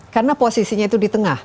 karena posisinya itu di tengah